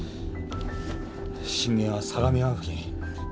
震源は相模湾付近。